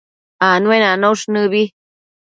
Anuenanosh nëbi